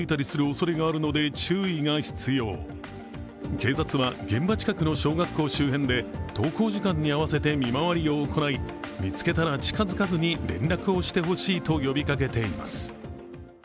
警察は現場近くの小学校周辺で登校時間に合わせて見回りを行い見つけたら近づかずに連絡をしてほしいと呼びかけています。